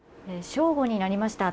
正午になりました。